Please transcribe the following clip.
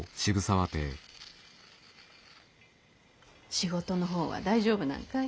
仕事の方は大丈夫なんかい？